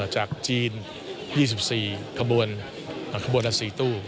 จากจีน๒๔ขบวนขบวนละ๔ตู้